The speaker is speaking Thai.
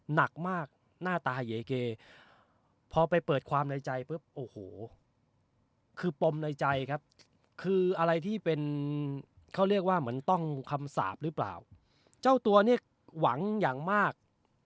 หนักมากหน้าตาเยเกพอไปเปิดความในใจปุ๊บโอ้โหคือปมในใจครับคืออะไรที่เป็นเขาเรียกว่าเหมือนต้องคำสาปหรือเปล่าเจ้าตัวเนี่ยหวังอย่างมาก